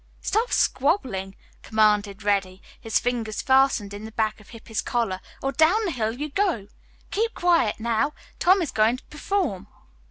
"Stop squabbling," commanded Reddy, his fingers fastened in the back of Hippy's collar, "or down the hill you go. Keep quiet, now, Tom is going to perform."